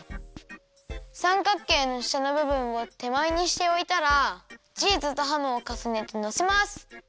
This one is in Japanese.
さんかっけいのしたのぶぶんをてまえにしておいたらチーズとハムをかさねてのせます。